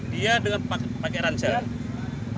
dia dengan pakai ransel